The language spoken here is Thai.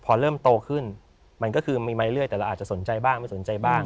พอเริ่มโตขึ้นมันก็คือมีมาเรื่อยแต่เราอาจจะสนใจบ้างไม่สนใจบ้าง